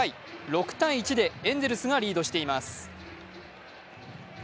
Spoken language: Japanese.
６−１でエンゼルスがリードしています。